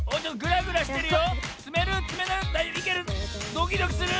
ドキドキする！